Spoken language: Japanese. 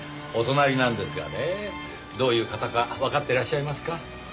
お隣なんですがねどういう方かわかってらっしゃいますか？